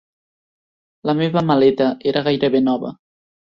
La meva maleta era gairebé nova.